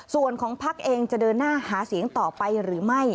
ส่วนของพักเองจะเดินหน้าหาเสียงต่อไปหรือไม่